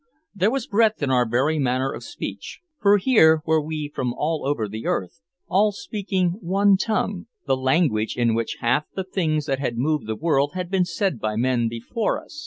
There was breadth in our very manner of speech. For here were we from all over the earth, all speaking one tongue, the language in which half the things that had moved the world had been said by men before us.